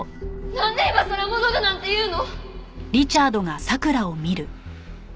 なんで今さら戻るなんて言うの！？